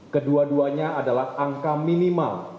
kedua duanya adalah angka minimal